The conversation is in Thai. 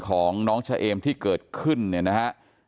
ของน้องเฉเอมที่เกิดขึ้นเนี่ยนะฮะ